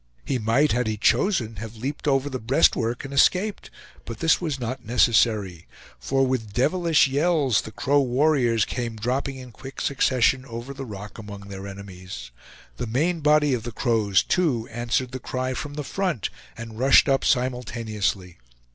He might, had he chosen, have leaped over the breastwork and escaped; but this was not necessary, for with devilish yells the Crow warriors came dropping in quick succession over the rock among their enemies. The main body of the Crows, too, answered the cry from the front and rushed up simultaneously.